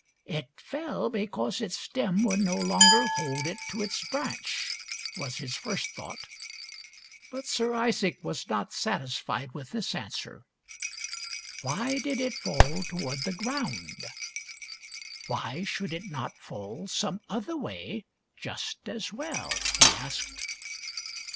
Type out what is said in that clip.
," It fell because its stem would no longer hold it to its branch," was his first thought. But Sir Isaac was not satisfied with this answer. " Why did it fall toward the ground ? Why should it not fall some other way just as well ?" he asked.